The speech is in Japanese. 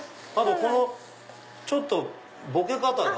このちょっとぼけ方が。